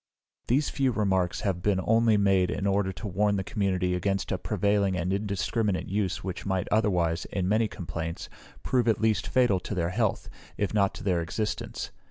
These few remarks have only been made in order to warn the community against a prevailing and indiscriminate use which might otherwise, in many complaints, prove at least fatal to their health, if not to their existence.